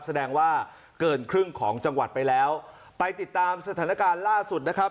แสดงว่าเกินครึ่งของจังหวัดไปแล้วไปติดตามสถานการณ์ล่าสุดนะครับ